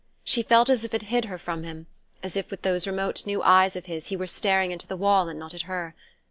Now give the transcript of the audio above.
She felt as if it hid her from him, as if with those remote new eyes of his he were staring into the wall and not at her.